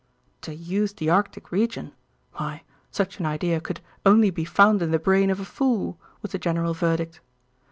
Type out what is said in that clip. To use the Arctic region? Why, such an idea could "only be found in the brain of a fool," was the general verdict.